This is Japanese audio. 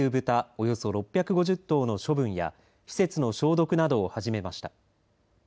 およそ６５０頭の処分や施設の消毒などを始めました。